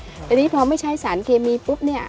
แต่นี่พอไม่ใช้สารเคมีปุ๊บเนี่ย